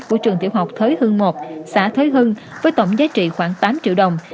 của trường tiểu học thới hưng i xã thới hưng với tổng giá trị khoảng tám triệu đồng